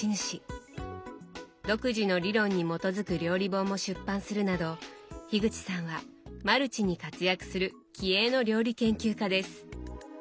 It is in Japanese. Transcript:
独自の理論に基づく料理本も出版するなど口さんはマルチに活躍する気鋭の料理研究家です。